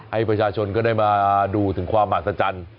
ให้ประชาชนก็ได้มาดูถึงความมหัศจรรย์